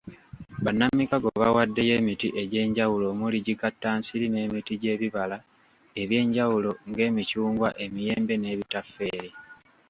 Bannamikago bawaddeyo emiti egy'enjawulo omuli; gikattansiri n'emiti gy'ebibala ebyenjawulo ng'emicungwa, emiyembe n'ebitafeeri.